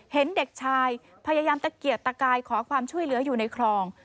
เห็นเด็กชายพยายามตะเกียกตะกายขอความช่วยเหลืออยู่ในคลอง